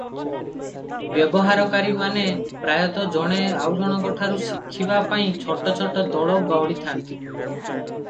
ବ୍ୟବହାରକାରୀମାନେ ପ୍ରାୟତଃ ଜଣେ ଆଉଜଣଙ୍କଠାରୁ ଶିଖିବା ପାଇଁ ଛୋଟ ଛୋଟ ଦଳ ଗଢ଼ିଥାନ୍ତି ।